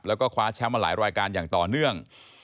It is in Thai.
แล้วก็คว้าแชมป์มาหลายรายการอย่างต่อเนื่อง